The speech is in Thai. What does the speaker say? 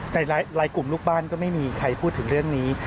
หลายกลุ่มลูกบ้านก็ไม่มีใครพูดถึงเรื่องนี้